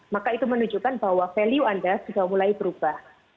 maka itu menunjukkan bahwa value anda sudah mulai berubah